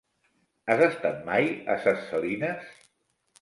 Has estat mai a Ses Salines?